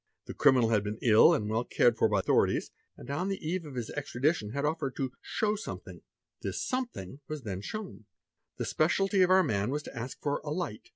The criminal had been ill, and well cared for by the ithorities, and on the eve of his extradition had offered to 'show some fe hing." This "something" was then shown. The speciality of our man as to ask for "a light."